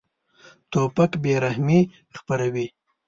توپک بېرحمي خپروي.